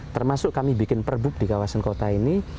termasuk kami bikin perbuk di kawasan kota ini